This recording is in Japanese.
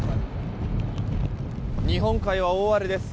日本海は大荒れです。